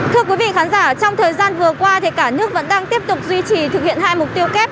thưa quý vị khán giả trong thời gian vừa qua thì cả nước vẫn đang tiếp tục duy trì thực hiện hai mục tiêu kép